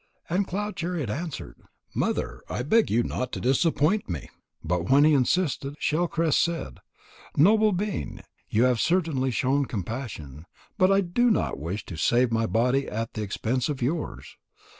And Cloud chariot answered: "Mother, I beg you not to disappoint me." But when he insisted, Shell crest said: "Noble being, you have certainly shown compassion, but I do not wish to save my body at the expense of yours.